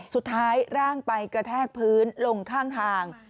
สุดท้ายร่างไปกระแทกพื้นลงข้างทาง